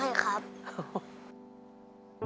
สวัสดีครับน้องเล่จากจังหวัดพิจิตรครับ